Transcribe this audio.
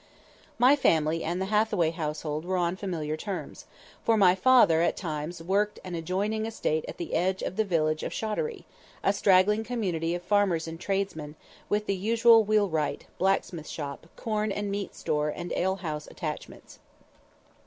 _ My family and the Hathaway household were on familiar terms, for my father at times worked an adjoining estate at the edge of the village of Shottery, a straggling community of farmers and tradesmen, with the usual wheelwright, blacksmith shop, corn and meat store and alehouse attachments.